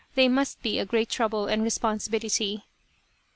They must be a great trouble and responsibility."